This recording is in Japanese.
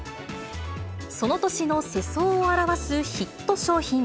その年の世相を表すヒット商品。